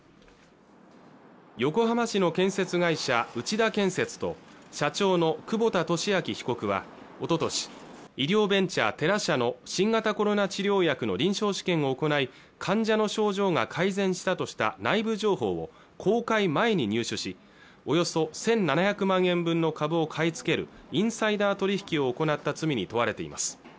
横浜市の建設会社内田建設と社長の久保田俊明被告はおととし医療ベンチャーテラ社の新型コロナ治療薬の臨床試験を行い患者の症状が改善したとした内部情報公開前に入手しおよそ１７００万円分の株を買い付けるインサイダー取引を行った罪に問われています